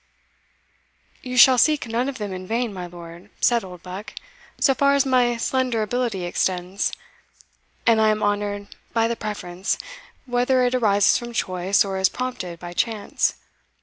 "You shall seek none of them in vain, my lord," said Oldbuck, "so far as my slender ability extends; and I am honoured by the preference, whether it arises from choice, or is prompted by chance.